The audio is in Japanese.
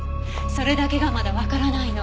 それだけがまだわからないの。